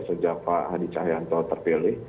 sejak pak hadi cahyanto terpilih